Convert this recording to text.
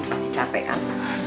kamu pasti capek kan